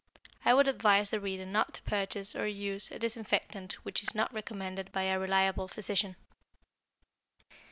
I would advise the reader not to purchase or use a disinfectant which is not recommended by a reliable physician.